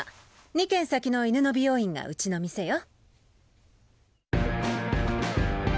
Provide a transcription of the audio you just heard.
２軒先の犬の美容院がうちの店よ。